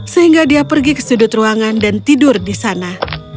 sehingga dia pergi ke sudut ruangan dan tidur di sana